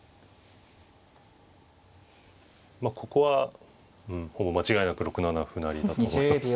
まあここはほぼ間違いなく６七歩成だと思います。